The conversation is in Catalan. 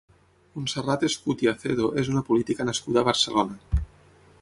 Montserrat Escutia Acedo és una política nascuda a Barcelona.